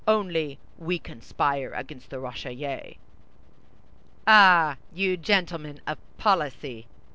Only we conspire against the Rochellais." "Ah, you gentlemen of policy!"